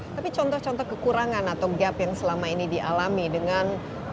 tapi contoh contoh kekurangan atau gap yang selama ini dialami dengan